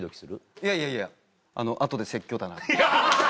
いやいやいや後で説教だなって。